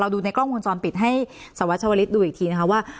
ดูในกล้องวงจรปิดให้สวัชวลิศดูอีกทีนะคะว่า